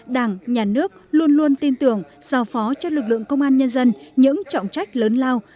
đảng nhà nước luôn luôn tin tưởng giao phó cho lực lượng công an nhân dân những trọng trách lớn lao